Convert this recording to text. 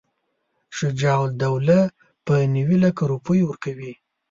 شجاع الدوله به نیوي لکه روپۍ ورکوي.